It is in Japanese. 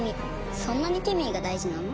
そんなにケミーが大事なの？